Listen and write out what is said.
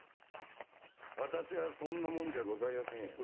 私はそんな者じゃございやせんよ。